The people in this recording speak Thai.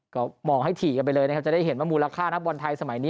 ก็มองให้ถี่กันไปเลยนะครับจะได้เห็นว่ามูลค่านักบอลไทยสมัยนี้